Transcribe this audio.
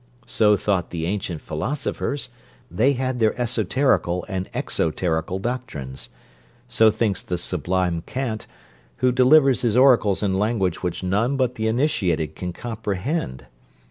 So thought the ancient philosophers: they had their esoterical and exoterical doctrines. So thinks the sublime Kant, who delivers his oracles in language which none but the initiated can comprehend.